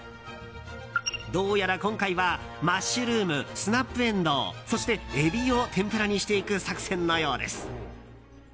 どうやら今回はマッシュルームスナップエンドウそしてエビを天ぷらにしていく作戦のようです。